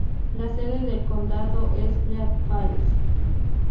La sede del condado es Great Falls.